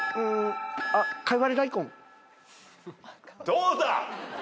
どうだ？